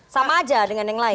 sama aja dengan yang lain